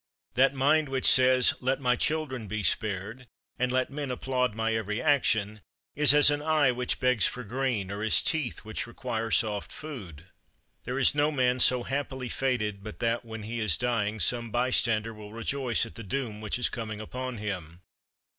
That mind which says, "Let my children be spared, and let men applaud my every action," is as an eye which begs for green, or as teeth which require soft food. 36. There is no man so happily fated but that when he is dying some bystander will rejoice at the doom which is coming upon him.